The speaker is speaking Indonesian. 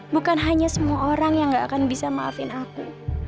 bukan hanya semua orang yang gak akan bisa maafin aku